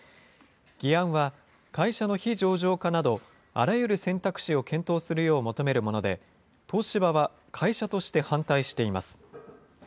議案は、会社の非上場化など、あらゆる選択肢を検討するよう求めるもので、東芝は会社として反対しています。